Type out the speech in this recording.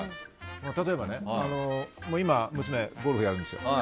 例えばね、今、娘ゴルフをやるんですよ。